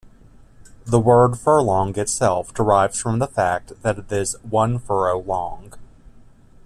The word "furlong" itself derives from the fact that it is "one furrow long".